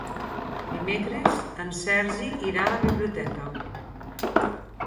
Dimecres en Sergi irà a la biblioteca.